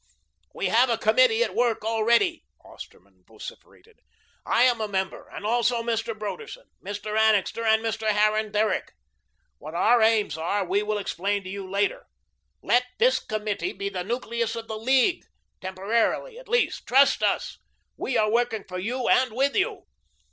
"We have a committee at work already," Osterman vociferated. "I am a member, and also Mr. Broderson, Mr. Annixter, and Mr. Harran Derrick. What our aims are we will explain to you later. Let this committee be the nucleus of the League temporarily, at least. Trust us. We are working for you and with you.